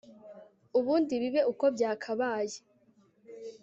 ubundi bibe uko byakabaye